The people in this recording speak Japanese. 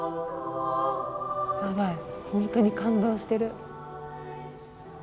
やばい本当に感動してる。